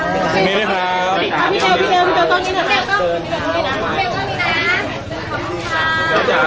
พี่เบลต้อนี่หน่อยค่ะ